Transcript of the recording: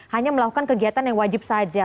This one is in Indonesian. hanya melakukan kegiatan yang wajib saja